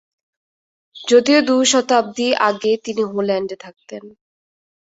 যদিও দুই শতাব্দী আগে তিনি হল্যান্ডে থাকতেন।